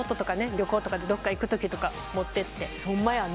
旅行とかでどっか行くときとか持ってってホンマやね